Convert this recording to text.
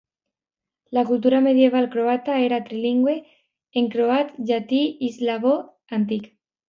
La cultura medieval croata era trilingüe: en croat, llatí i eslavó antic.